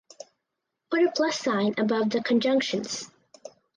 Put a plus sign above the conjunctions.